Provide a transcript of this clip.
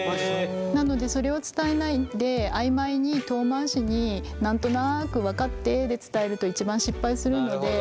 なのでそれを伝えないで曖昧に遠回しに何となく分かってで伝えると一番失敗するので。